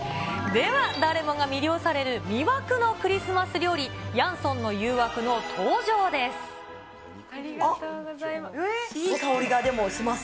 では、誰もが魅了される魅惑のクリスマス料理、ヤンソンの誘惑の登場でありがとうございます。